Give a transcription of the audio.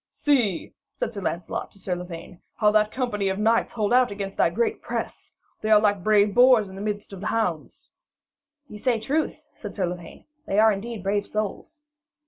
'See,' said Sir Lancelot to Sir Lavaine, 'how that company of knights hold out against that great press! They are like brave boars in the midst of the hounds.' 'Ye say truth,' said Sir Lavaine; 'they are indeed brave souls.'